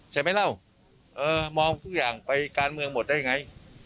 ใช่ไหมเล่าเออมองทุกอย่างไปการเมืองหมดได้ไง